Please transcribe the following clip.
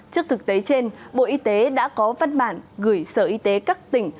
trước thực tế trên bộ y tế đã có văn bản gửi sở y tế các tỉnh